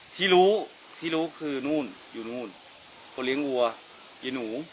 ที่รู้ที่รู้คือนู่นอยู่นู่นคนเลี้ยงวัวเยหนู